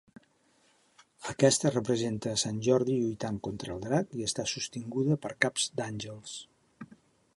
Aquesta representa a Sant Jordi lluitant contra el drac i està sostinguda per caps d'àngels.